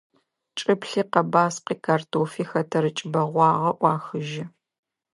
Чӏыплъи, къэбаскъи, картофи – хэтэрыкӏ бэгъуагъэ ӏуахыжьы.